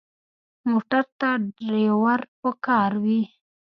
موټر ته ډرېور پکار وي.